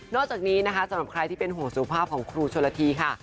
จากนี้นะคะสำหรับใครที่เป็นห่วงสุภาพของครูชนละทีค่ะ